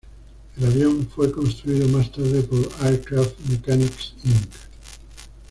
El avión fue construido más tarde por "Aircraft Mechanics, Inc".